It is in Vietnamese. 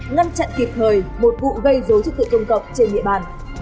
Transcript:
ngăn chặn kịp thời một vụ gây dối trật tự công cộng trên địa bàn